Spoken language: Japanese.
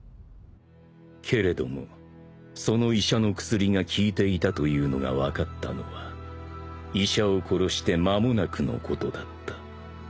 ［けれどもその医者の薬が効いていたというのが分かったのは医者を殺して間もなくのことだった］